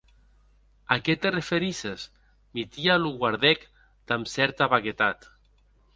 A qué te referisses?, Mitia lo guardèc damb cèrta vaguetat.